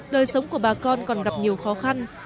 đời sống của bà con còn gặp nhiều khó khăn